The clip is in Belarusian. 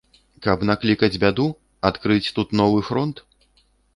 Каб наклікаць бяду, адкрыць тут новы фронт?